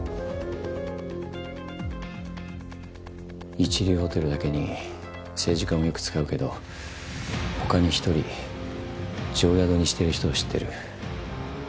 一流ホテルだけに政治家もよく使うけど他に１人定宿にしてる人を知ってる。